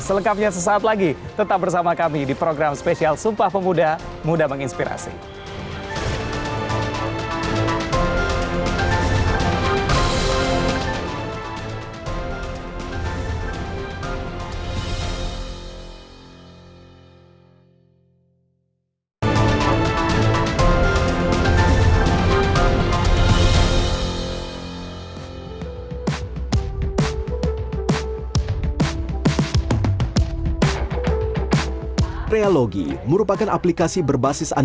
selengkapnya sesaat lagi tetap bersama kami di program spesial sumpah pemuda muda menginspirasi